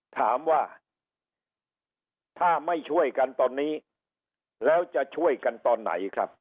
ถามว่าถ้าไม่ช่วยกันตอนนี้แล้วจะช่วยกันตอนไหนครับ